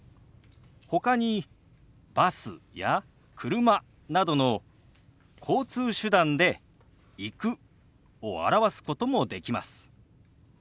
ほかにバスや車などの交通手段で「行く」を表すこともできます。